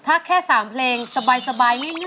ถ้าแค่๓เพลงสบายนิด